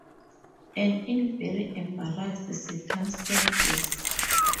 And in very embarrassed circumstances.